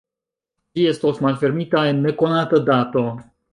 Ĝi estos malfermita en nekonata dato.